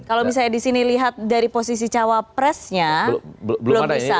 kalau misalnya di sini lihat dari posisi cawapresnya belum bisa